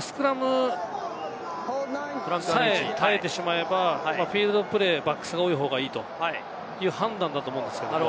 スクラムさえ耐えてしまえば、フィールドプレーヤー、バックスが多い方がいいという判断だと思うんですけど。